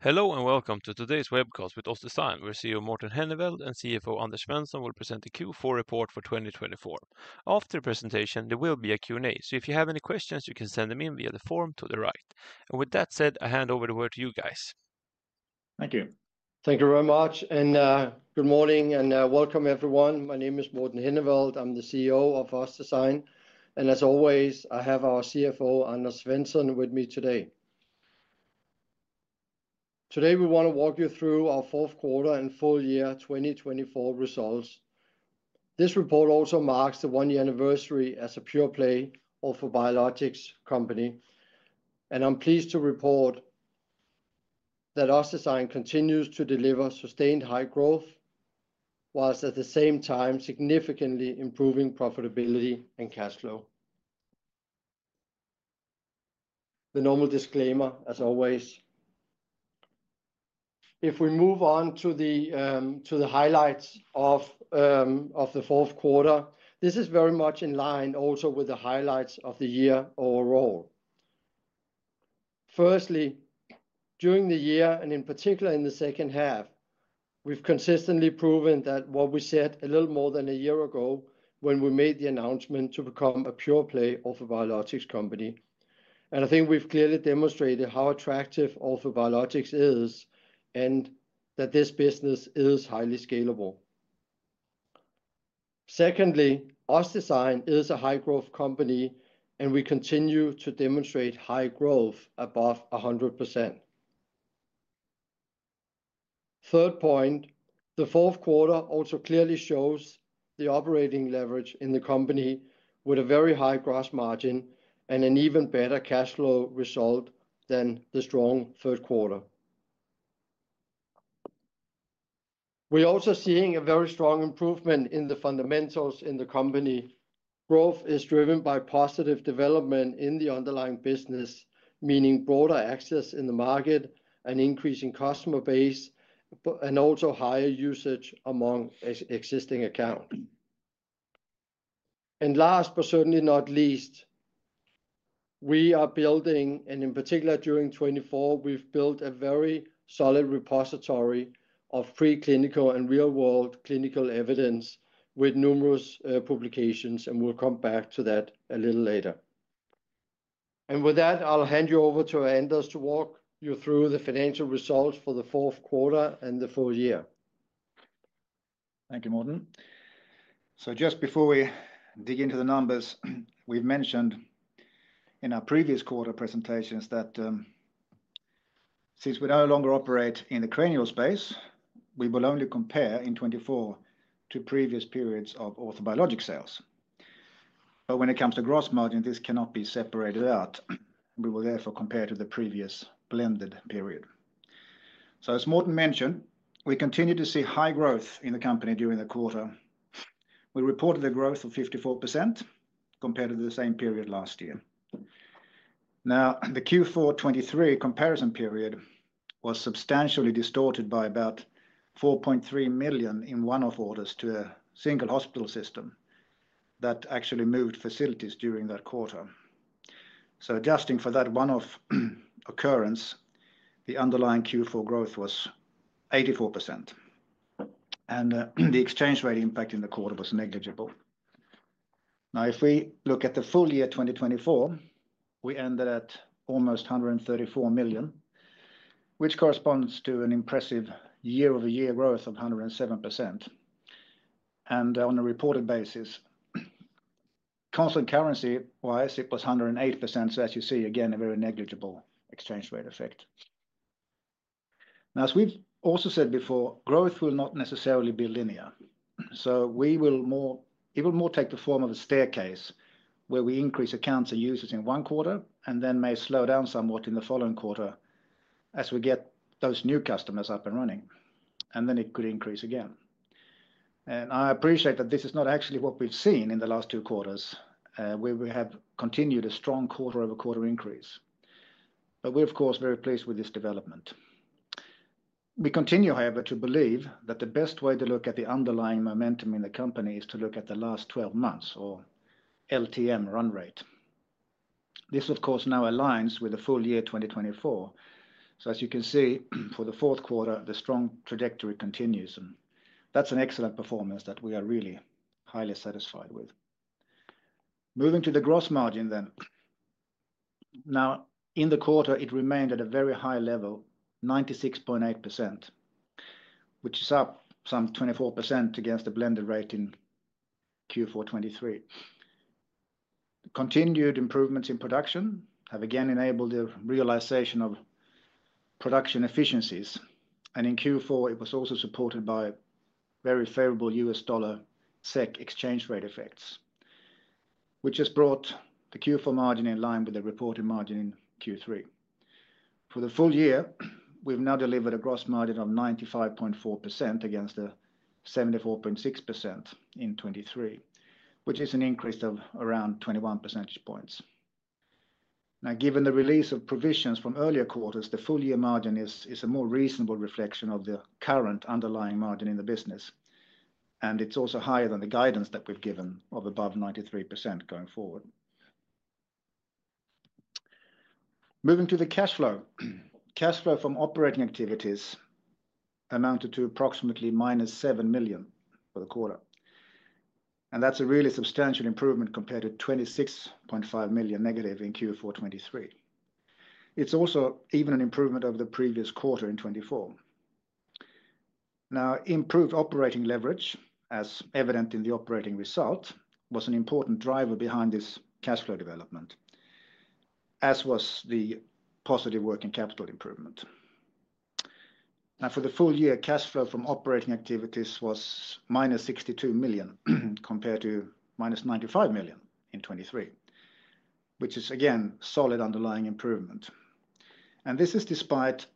Hello and welcome to today's webcast with OssDsign, where CEO Morten Henneveld and CFO Anders Svensson will present the Q4 report for 2024. After the presentation, there will be a Q&A, so if you have any questions, you can send them in via the form to the right. And with that said, I hand over the word to you guys. Thank you. Thank you very much, and good morning and welcome, everyone. My name is Morten Henneveld. I'm the CEO of OssDsign, and as always, I have our CFO, Anders Svensson, with me today. Today, we want to walk you through our fourth quarter and full year 2024 results. This report also marks the one-year anniversary as a pure play orthobiologics company, and I'm pleased to report that OssDsign continues to deliver sustained high growth, whilst at the same time significantly improving profitability and cash flow. The normal disclaimer, as always. If we move on to the highlights of the fourth quarter, this is very much in line also with the highlights of the year overall. Firstly, during the year, and in particular in the second half, we've consistently proven that what we said a little more than a year ago when we made the announcement to become a pure play of a biologics company, and I think we've clearly demonstrated how attractive orthobiologics is and that this business is highly scalable. Secondly, OssDsign is a high-growth company, and we continue to demonstrate high growth above 100%. Third point, the fourth quarter also clearly shows the operating leverage in the company with a very high gross margin and an even better cash flow result than the strong third quarter. We're also seeing a very strong improvement in the fundamentals in the company. Growth is driven by positive development in the underlying business, meaning broader access in the market, an increasing customer base, and also higher usage among existing accounts. Last, but certainly not least, we are building, and in particular during 2024, we've built a very solid repository of preclinical and real-world clinical evidence with numerous publications, and we'll come back to that a little later. With that, I'll hand you over to Anders to walk you through the financial results for the fourth quarter and the full year. Thank you, Morten. So just before we dig into the numbers, we've mentioned in our previous quarter presentations that since we no longer operate in the cranial space, we will only compare in 2024 to previous periods of Orthobiologic sales. But when it comes to gross margin, this cannot be separated out. We will therefore compare to the previous blended period. So as Morten mentioned, we continue to see high growth in the company during the quarter. We reported a growth of 54% compared to the same period last year. Now, the Q4 2023 comparison period was substantially distorted by about 4.3 million in one-off orders to a single hospital system that actually moved facilities during that quarter. So adjusting for that one-off occurrence, the underlying Q4 growth was 84%. And the exchange rate impact in the quarter was negligible. Now, if we look at the full year 2024, we ended at almost 134 million, which corresponds to an impressive year-over-year growth of 107%, and on a reported basis, constant currency-wise, it was 108%, so as you see, again, a very negligible exchange rate effect. Now, as we've also said before, growth will not necessarily be linear, so it will more take the form of a staircase where we increase accounts and users in one quarter and then may slow down somewhat in the following quarter as we get those new customers up and running, and then it could increase again, and I appreciate that this is not actually what we've seen in the last two quarters, where we have continued a strong quarter-over-quarter increase, but we're, of course, very pleased with this development. We continue, however, to believe that the best way to look at the underlying momentum in the company is to look at the last 12 months, or LTM, run rate. This, of course, now aligns with the full year 2024. So as you can see, for the fourth quarter, the strong trajectory continues. And that's an excellent performance that we are really highly satisfied with. Moving to the gross margin then. Now, in the quarter, it remained at a very high level, 96.8%, which is up some 24% against the blended rate in Q4 2023. Continued improvements in production have again enabled the realization of production efficiencies. And in Q4, it was also supported by very favorable USD/SEK exchange rate effects, which has brought the Q4 margin in line with the reported margin in Q3. For the full year, we've now delivered a gross margin of 95.4% against the 74.6% in 2023, which is an increase of around 21 percentage points. Now, given the release of provisions from earlier quarters, the full year margin is a more reasonable reflection of the current underlying margin in the business. And it's also higher than the guidance that we've given of above 93% going forward. Moving to the cash flow. Cash flow from operating activities amounted to approximately -7 million for the quarter. And that's a really substantial improvement compared to -26.5 million in Q4 2023. It's also even an improvement over the previous quarter in 2024. Now, improved operating leverage, as evident in the operating result, was an important driver behind this cash flow development, as was the positive working capital improvement. Now, for the full year, cash flow from operating activities was minus 62 million compared to minus 95 million in 2023, which is, again, solid underlying improvement. And this is despite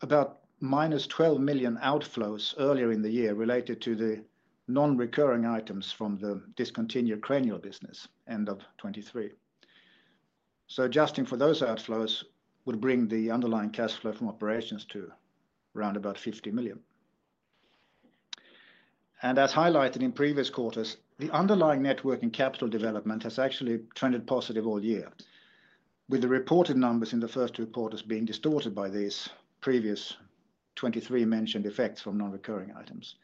about minus 12 million outflows earlier in the year related to the non-recurring items from the discontinued cranial business end of 2023. So adjusting for those outflows would bring the underlying cash flow from operations to around about 50 million. And as highlighted in previous quarters, the underlying net working capital development has actually trended positive all year, with the reported numbers in the first two quarters being distorted by these previous 2023 mentioned effects from non-recurring items.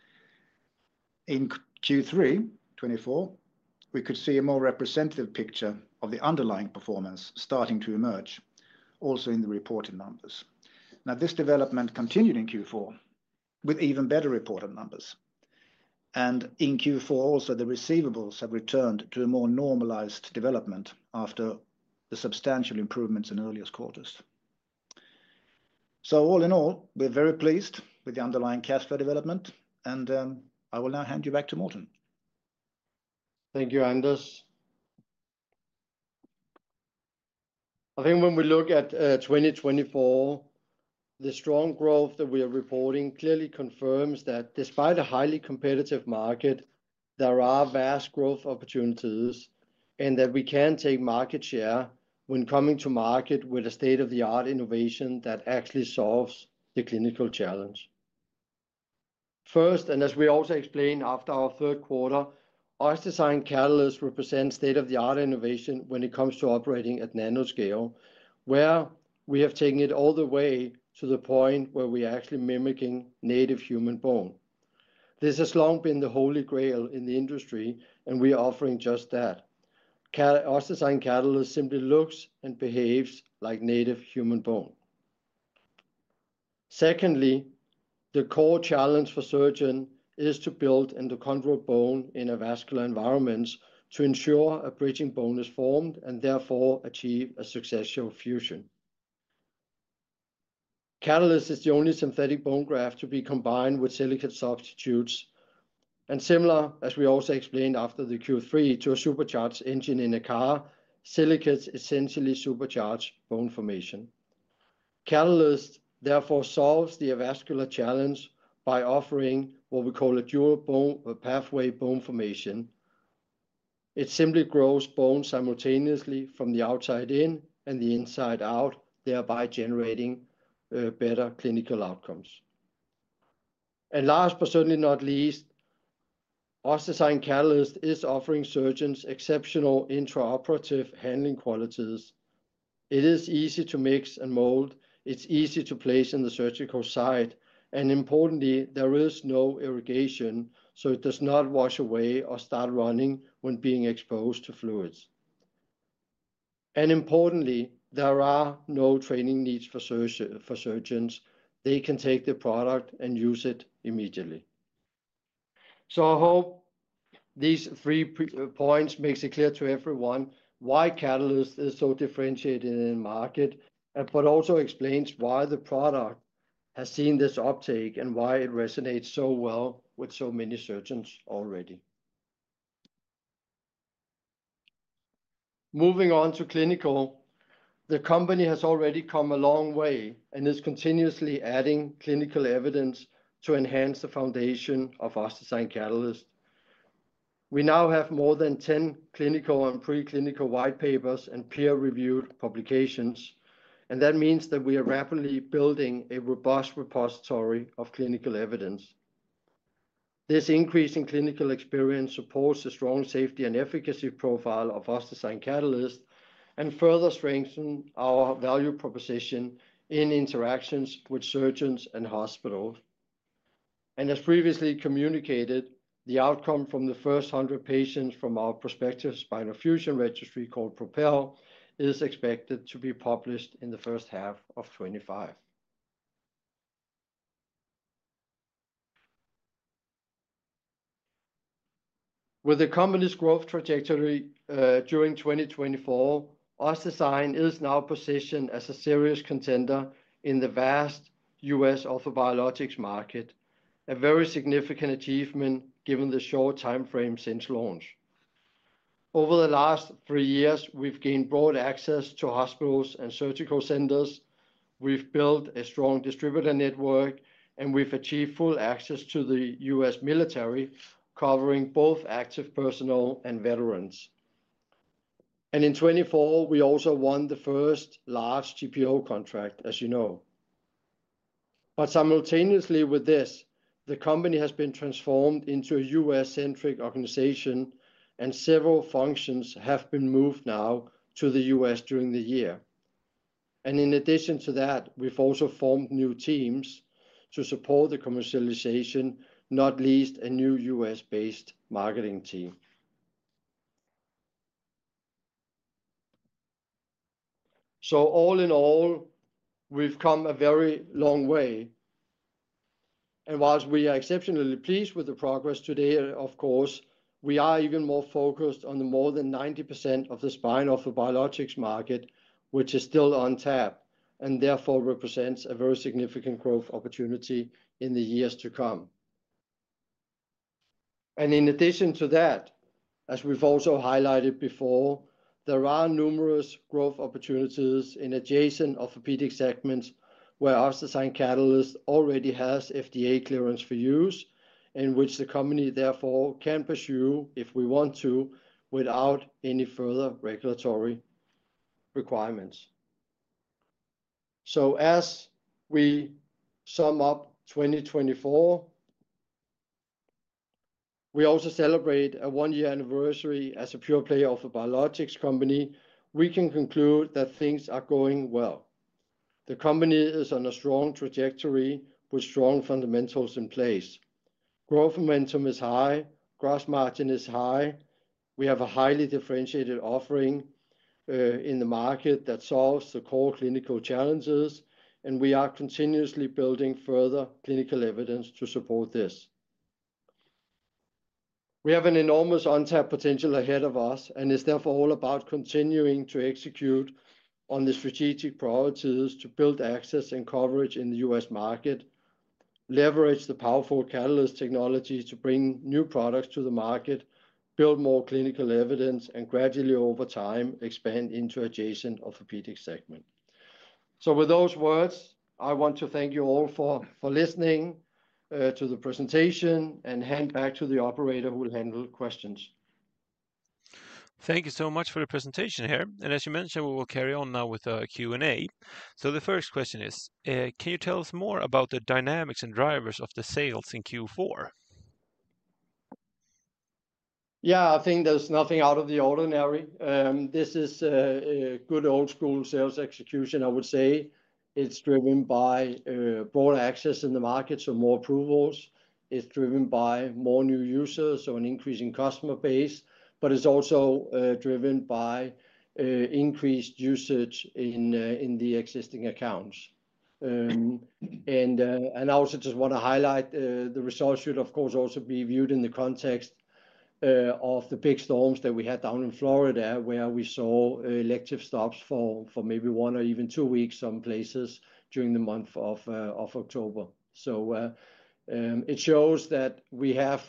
In Q3 2024, we could see a more representative picture of the underlying performance starting to emerge, also in the reported numbers. Now, this development continued in Q4 with even better reported numbers. In Q4, also, the receivables have returned to a more normalized development after the substantial improvements in earliest quarters. All in all, we're very pleased with the underlying cash flow development. I will now hand you back to Morten. Thank you, Anders. I think when we look at 2024, the strong growth that we are reporting clearly confirms that despite a highly competitive market, there are vast growth opportunities and that we can take market share when coming to market with a state-of-the-art innovation that actually solves the clinical challenge. First, and as we also explained after our third quarter, OssDsign Catalyst represents state-of-the-art innovation when it comes to operating at nanoscale, where we have taken it all the way to the point where we are actually mimicking native human bone. This has long been the holy grail in the industry, and we are offering just that. OssDsign Catalyst simply looks and behaves like native human bone. Secondly, the core challenge for surgeons is to build endochondral bone in an avascular environment to ensure a bridging bone is formed and therefore achieve a successful fusion. Catalyst is the only synthetic bone graft to be combined with silicate-substituted. Similar, as we also explained after the Q3, to a supercharged engine in a car, silicates essentially supercharge bone formation. Catalyst therefore solves the avascular challenge by offering what we call a dual pathway bone formation. It simply grows bone simultaneously from the outside in and the inside out, thereby generating better clinical outcomes. Last, but certainly not least, OssDsign Catalyst is offering surgeons exceptional intraoperative handling qualities. It is easy to mix and mold. It's easy to place in the surgical site. Importantly, there is no irrigation, so it does not wash away or start running when being exposed to fluids. Importantly, there are no training needs for surgeons. They can take the product and use it immediately. I hope these three points make it clear to everyone why Catalyst is so differentiated in the market, but also explains why the product has seen this uptake and why it resonates so well with so many surgeons already. Moving on to clinical, the company has already come a long way and is continuously adding clinical evidence to enhance the foundation of OssDsign Catalyst. We now have more than 10 clinical and preclinical white papers and peer-reviewed publications. And that means that we are rapidly building a robust repository of clinical evidence. This increase in clinical experience supports a strong safety and efficacy profile of OssDsign Catalyst and further strengthens our value proposition in interactions with surgeons and hospitals. And as previously communicated, the outcome from the first 100 patients from our prospective spinal fusion registry called PROPEL is expected to be published in the first half of 2025. With the company's growth trajectory during 2024, OssDsign is now positioned as a serious contender in the vast U.S. Orthobiologics market, a very significant achievement given the short timeframe since launch. Over the last three years, we've gained broad access to hospitals and surgical centers. We've built a strong distributor network, and we've achieved full access to the U.S. military, covering both active personnel and veterans. And in 2024, we also won the first large GPO contract, as you know. But simultaneously with this, the company has been transformed into a U.S.-centric organization, and several functions have been moved now to the U.S. during the year. And in addition to that, we've also formed new teams to support the commercialization, not least a new U.S.-based marketing team. So all in all, we've come a very long way. While we are exceptionally pleased with the progress today, of course, we are even more focused on the more than 90% of the spinal Orthobiologics market, which is still untapped and therefore represents a very significant growth opportunity in the years to come. In addition to that, as we've also highlighted before, there are numerous growth opportunities in adjacent orthopedic segments where OssDsign Catalyst already has FDA clearance for use, in which the company therefore can pursue if we want to without any further regulatory requirements. As we sum up 2024, we also celebrate a one-year anniversary as a pure-play Orthobiologics company. We can conclude that things are going well. The company is on a strong trajectory with strong fundamentals in place. Growth momentum is high. Gross margin is high. We have a highly differentiated offering in the market that solves the core clinical challenges. And we are continuously building further clinical evidence to support this. We have an enormous untapped potential ahead of us, and it's therefore all about continuing to execute on the strategic priorities to build access and coverage in the U.S. market, leverage the powerful Catalyst technology to bring new products to the market, build more clinical evidence, and gradually over time expand into adjacent orthopedic segment. So with those words, I want to thank you all for listening to the presentation and hand back to the operator who will handle questions. Thank you so much for the presentation here, and as you mentioned, we will carry on now with Q&A, so the first question is, can you tell us more about the dynamics and drivers of the sales in Q4? Yeah, I think there's nothing out of the ordinary. This is a good old-school sales execution, I would say. It's driven by broad access in the market, so more approvals. It's driven by more new users or an increasing customer base. But it's also driven by increased usage in the existing accounts. And I also just want to highlight the results should, of course, also be viewed in the context of the big storms that we had down in Florida, where we saw elective stops for maybe one or even two weeks some places during the month of October. So it shows that we have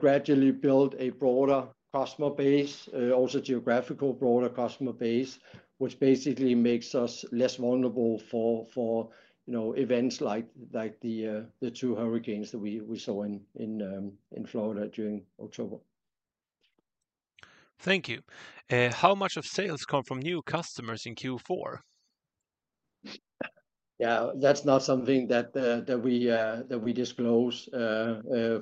gradually built a broader customer base, also geographical broader customer base, which basically makes us less vulnerable for events like the two hurricanes that we saw in Florida during October. Thank you. How much of sales come from new customers in Q4? Yeah, that's not something that we disclose,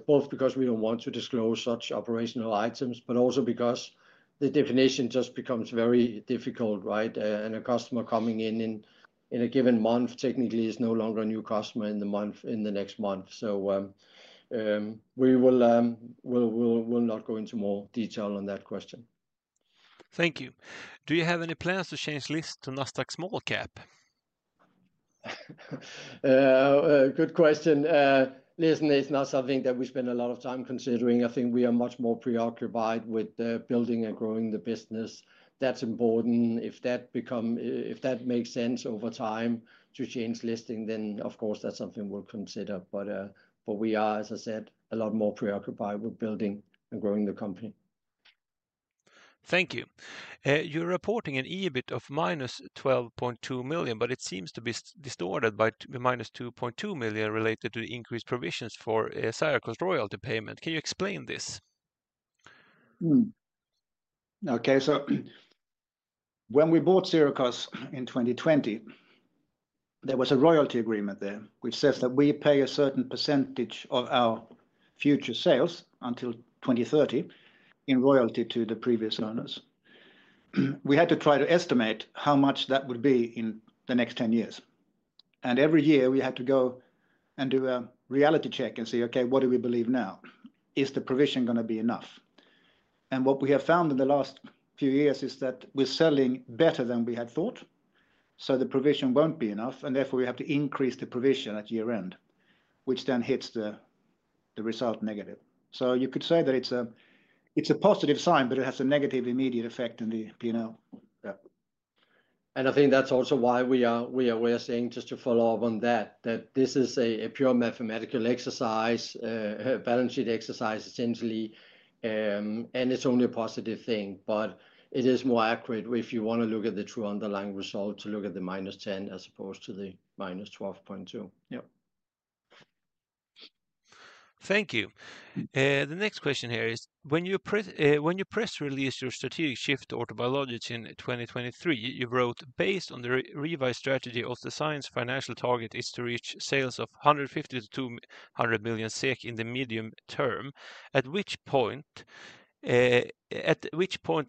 both because we don't want to disclose such operational items, but also because the definition just becomes very difficult, right? And a customer coming in in a given month technically is no longer a new customer in the next month. So we will not go into more detail on that question. Thank you. Do you have any plans to change list to NASDAQ small cap? Good question. Listen, it's not something that we spend a lot of time considering. I think we are much more preoccupied with building and growing the business. That's important. If that makes sense over time to change listing, then of course, that's something we'll consider. But we are, as I said, a lot more preoccupied with building and growing the company. Thank you. You're reporting an EBIT of minus 12.2 million, but it seems to be distorted by minus 2.2 million related to the increased provisions for Sirakoss royalty payment. Can you explain this? Okay, so when we bought Sirakoss in 2020, there was a royalty agreement there which says that we pay a certain percentage of our future sales until 2030 in royalty to the previous owners. We had to try to estimate how much that would be in the next 10 years. And every year, we had to go and do a reality check and say, okay, what do we believe now? Is the provision going to be enough? And what we have found in the last few years is that we're selling better than we had thought. So the provision won't be enough. And therefore, we have to increase the provision at year-end, which then hits the result negative. So you could say that it's a positive sign, but it has a negative immediate effect in the P&L. I think that's also why we are saying just to follow up on that, that this is a pure mathematical exercise, balance sheet exercise essentially. It's only a positive thing, but it is more accurate if you want to look at the true underlying result to look at the -10 as opposed to the -12.2. Yeah. Thank you. The next question here is, when you press release your strategic shift to Orthobiologics in 2023, you wrote, based on the revised strategy of the science, financial target is to reach sales of 150 million-200 million SEK in the medium term. At which point the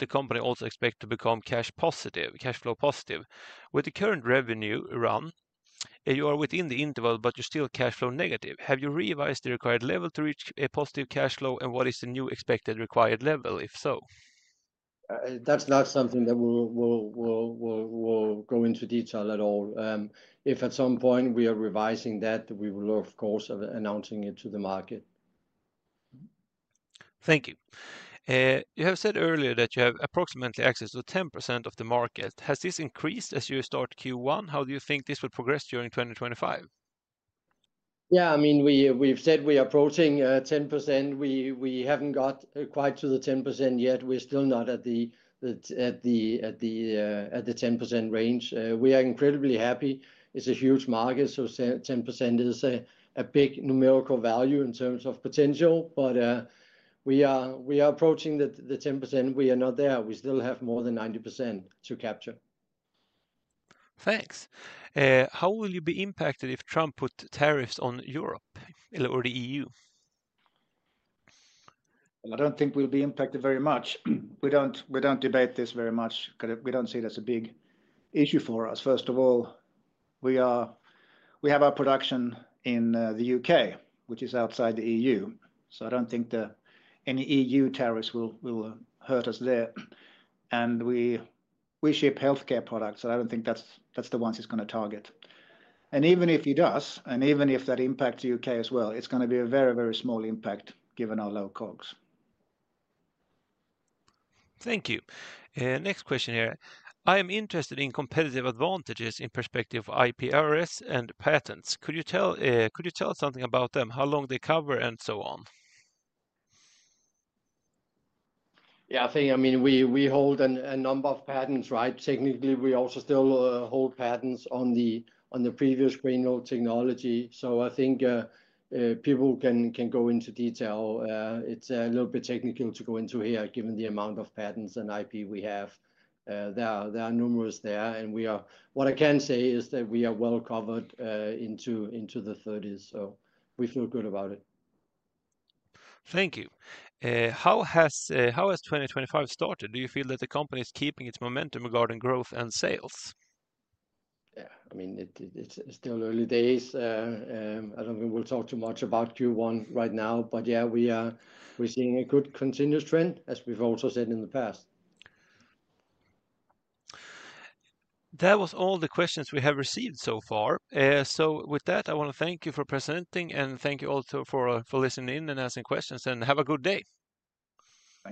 company also expects to become cash-flow positive? With the current revenue run, you are within the interval, but you're still cash flow negative. Have you revised the required level to reach a positive cash flow? And what is the new expected required level, if so? That's not something that we'll go into detail at all. If at some point we are revising that, we will, of course, announce it to the market. Thank you. You have said earlier that you have approximately access to 10% of the market. Has this increased as you start Q1? How do you think this will progress during 2025? Yeah, I mean, we've said we are approaching 10%. We haven't got quite to the 10% yet. We're still not at the 10% range. We are incredibly happy. It's a huge market. So 10% is a big numerical value in terms of potential. But we are approaching the 10%. We are not there. We still have more than 90% to capture. Thanks. How will you be impacted if Trump puts tariffs on Europe or the EU? I don't think we'll be impacted very much. We don't debate this very much because we don't see it as a big issue for us. First of all, we have our production in the U.K., which is outside the E.U. So I don't think any E.U. tariffs will hurt us there. And we ship healthcare products. I don't think that's the ones it's going to target. And even if it does, and even if that impacts the U.K. as well, it's going to be a very, very small impact given our low costs. Thank you. Next question here. I am interested in competitive advantages in perspective of IPRs and patents. Could you tell something about them, how long they cover and so on? Yeah, I think. I mean, we hold a number of patents, right? Technically, we also still hold patents on the previous Green Road technology. So I think people can go into detail. It's a little bit technical to go into here given the amount of patents and IP we have. There are numerous there. And what I can say is that we are well covered into the 30s. So we feel good about it. Thank you. How has 2025 started? Do you feel that the company is keeping its momentum regarding growth and sales? Yeah, I mean, it's still early days. I don't think we'll talk too much about Q1 right now. But yeah, we're seeing a good continuous trend, as we've also said in the past. That was all the questions we have received so far. So with that, I want to thank you for presenting and thank you also for listening in and asking questions, and have a good day.